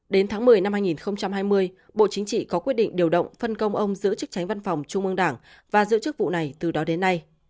đến tháng một mươi năm hai nghìn hai mươi bộ chính trị có quyết định điều động phân công ông giữ chức tránh văn phòng trung ương đảng và giữ chức vụ này từ đó đến nay